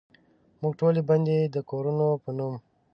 موږ ټولې بندې دکورونو په نوم،